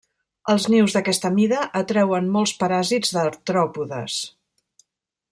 Els nius d'aquesta mida atreuen molts paràsits d'artròpodes.